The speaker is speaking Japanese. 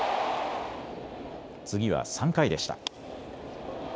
次は３回でした。